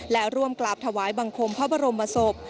และร่วมกราบถวายบังคมพระบรมศพ